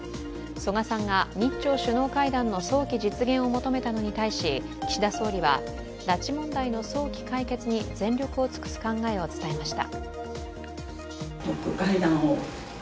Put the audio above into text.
曽我さんが日朝首脳会談の早期実現を求めたのに対し岸田総理は拉致問題の早期解決に全力を尽くす考えを伝えました。